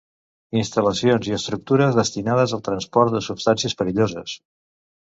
Instal·lacions i estructures destinades al transport de substàncies perilloses.